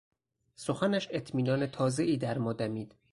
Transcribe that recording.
سخنش اطمینان تازهای در ما دمید.